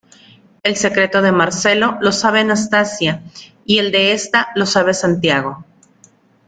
El secreto de Marcelo lo sabe Anastasia y el de esta lo sabe Santiago.